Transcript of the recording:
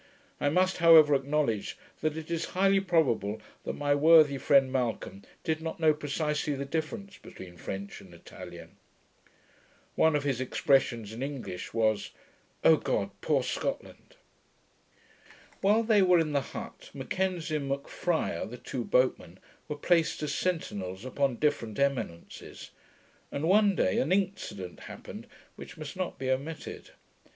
I must however acknowledge, that it is highly probable that my worthy friend Malcolm did not know precisely the difference between French and Italian. One of his expressions in English was, 'O God! Poor Scotland!' While they were in the hut, M'Kenzie and M'Friar, the two boatmen, were placed as sentinels upon different eminences; and one day an incident happened, which must not be omitted.